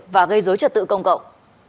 và gây dối trật tự công cộng